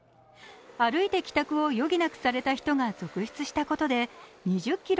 歩いて帰宅を余儀なくされた人が続出したことで２０ｋｍ